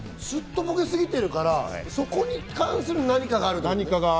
すっとぼけすぎてるから、そこに関する何かがある。